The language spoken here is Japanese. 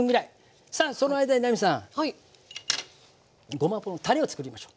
ごまポンたれを作りましょう。